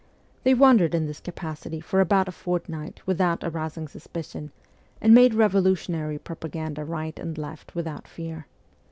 They wandered in this capacity for about a fortnight without arousing suspicion, and made revolutionary propaganda right and left without fear.